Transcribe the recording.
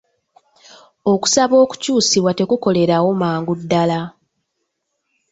Okusaba okyusibwa tekukolerawo mangu ddala.